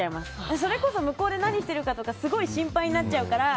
それこそ向こうで何してるかとかすごい心配になっちゃうから。